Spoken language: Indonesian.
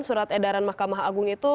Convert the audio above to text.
surat edaran mahkamah agung itu